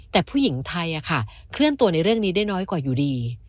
แต่ผู้หญิงไทยเคลื่อนตัวในเรื่องนี้ได้น้อยกว่าอยู่ดี